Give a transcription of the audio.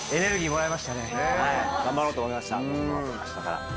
頑張ろうと思いました僕も。